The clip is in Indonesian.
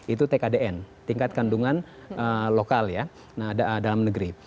itu tkdn tingkat kandungan lokal ya dalam negeri